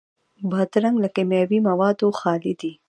بادرنګ له کیمیاوي موادو خالي دی.